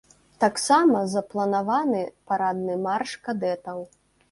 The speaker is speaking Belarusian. Таксама запланаваны парадны марш кадэтаў.